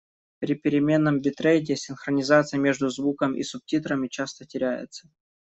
При переменном битрейте синхронизация между звуком и субтитрами часто теряется.